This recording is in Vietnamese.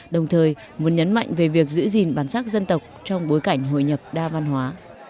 đồng thời muốn nhấn mạnh về việc giữ gìn bản sắc dân tộc trong bối cảnh hội nhập đa văn hóa